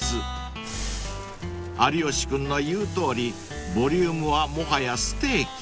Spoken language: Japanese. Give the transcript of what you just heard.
［有吉君の言うとおりボリュームはもはやステーキ］